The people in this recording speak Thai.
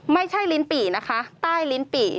ไม่ใช่ลิ้นปี่นะคะใต้ลิ้นปี่